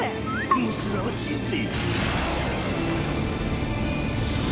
モスらわしいぜ！